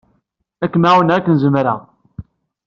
Ad kem-ɛawneɣ akken zemreɣ.